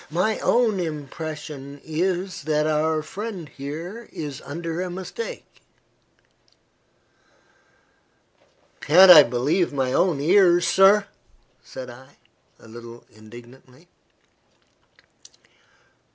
My own impression is, that our friend here is under a mistake." "Can't I believe my own ears, sir?" said I, a little indignantly.